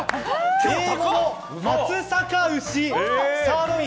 Ａ５松阪牛サーロイン